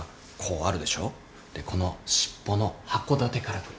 でこの尻尾の函館から来る。